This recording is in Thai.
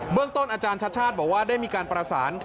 เรื่องต้นอาจารย์ชาติชาติบอกว่าได้มีการประสาน